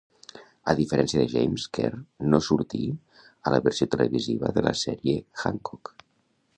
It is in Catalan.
A diferència de James, Kerr no sortir a la versió televisiva de la sèrie Hancock.